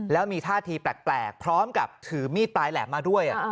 แล้วมีท่าทีแปลกพร้อมกับถือมีดปลายแหลมมาด้วย